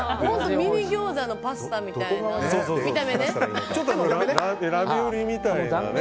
ミニギョーザのパスタみたいな見た目ね！